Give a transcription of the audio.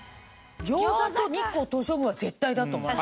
餃子と日光東照宮は絶対だと思う。